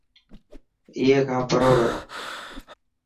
اي کان پرو رهي.